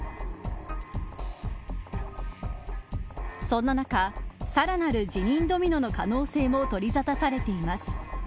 そんな中さらなる辞任ドミノの可能性も取りざたされています。